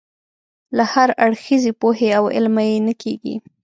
له هراړخیزې پوهې او علمه یې نه کېږي.